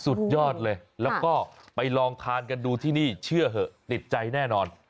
สุดยอดเลยแล้วก็ไปลองทานกันดูที่นี่เชื่อเหอะติดใจแน่นอน